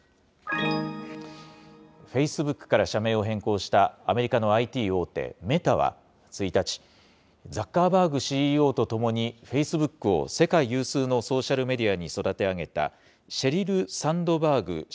フェイスブックから社名を変更したアメリカのＩＴ大手、メタは、１日、ザッカーバーグＣＥＯと共にフェイスブックを世界有数のソーシャルメディアに育て上げた、シェリル・サンドバーグ